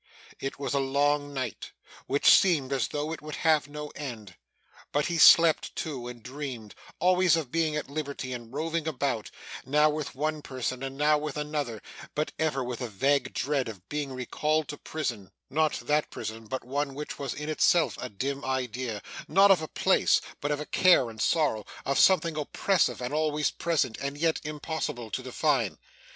It was a long night, which seemed as though it would have no end; but he slept too, and dreamed always of being at liberty, and roving about, now with one person and now with another, but ever with a vague dread of being recalled to prison; not that prison, but one which was in itself a dim idea not of a place, but of a care and sorrow: of something oppressive and always present, and yet impossible to define.